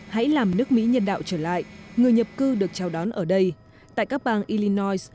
hãy làm nước mỹ nhân đạo trở lại người nhập cư được chào đón ở đây tại các bang illinois